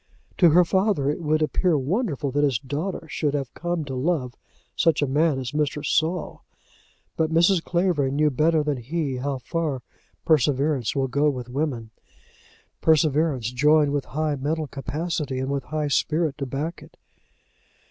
To her father it would appear wonderful that his daughter should have come to love such a man as Mr. Saul, but Mrs. Clavering knew better than he how far perseverance will go with women, perseverance joined with high mental capacity, and with high spirit to back it.